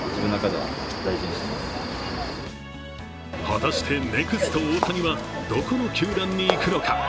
果たしてネクスト大谷はどこの球団に行くのか。